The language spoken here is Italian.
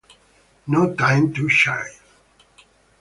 No Time to Chill